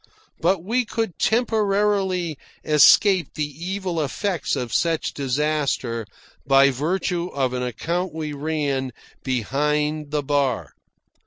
But we could temporarily escape the evil effects of such disaster, by virtue of an account we ran behind the bar.